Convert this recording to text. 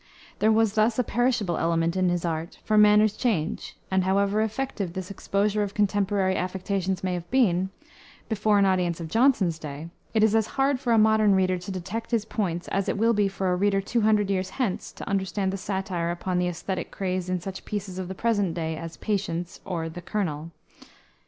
There was thus a perishable element in his art, for manners change; and however effective this exposure of contemporary affectations may have been, before an audience of Jonson's day, it is as hard for a modern reader to detect his points as it will be for a reader two hundred years hence to understand the satire upon the aesthetic craze in such pieces of the present day, as Patience or the Colonel.